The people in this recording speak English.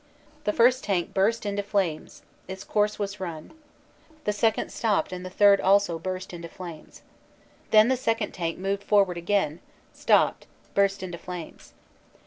The first tank burst into flames its course was run; the second stopped and the third also burst into flames. Then the second tank moved forward again stopped burst into flames.